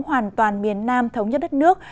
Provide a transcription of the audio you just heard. hoàn toàn miền nam thống nhất đất nước